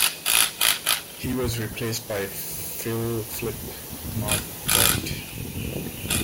He was replaced by Phil "Flip" Marquardt.